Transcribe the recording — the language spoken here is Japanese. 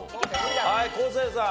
はい昴生さん。